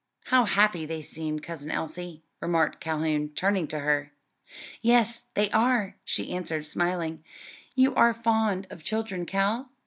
"How happy they seem, Cousin Elsie," remarked Calhoun, turning to her. "Yes, they are," she answered, smiling. "You are fond of children, Cal?"